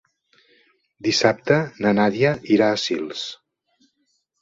Dissabte na Nàdia irà a Sils.